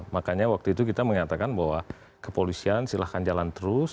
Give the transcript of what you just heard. makanya waktu itu kita mengatakan bahwa kepolisian silahkan jalan terus